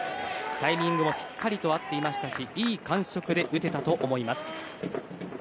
タイミングもしっかり合っていましたしいい感触で打てたと思います。